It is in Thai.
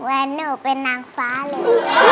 หนูเป็นนางฟ้าเลย